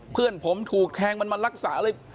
เพื่อนผมถูกแทงมันมารักษาอะไร